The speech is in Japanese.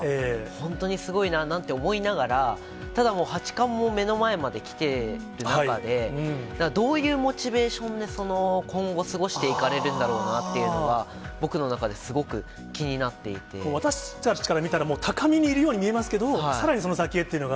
本当にすごいななんて思いながら、ただもう八冠も目の前に来てる中で、どういうモチベーションで、その今後、過ごしていかれるんだろうかというのは、僕の中ですごく気になっ私たちから見たら、もう高みにいるように見えますけれども、さらにその先へというのが。